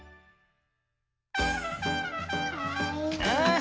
あ